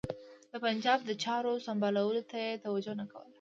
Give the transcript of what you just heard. د پنجاب د چارو سمبالولو ته یې توجه نه کوله.